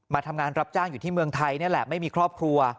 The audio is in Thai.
ทำงานรับจ้างอยู่ที่เมืองไทยนี่แหละไม่มีครอบครัว